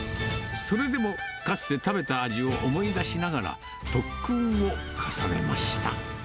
それでも、かつて食べた味を思い出しながら、特訓を重ねました。